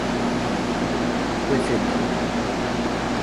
Kue sedadio.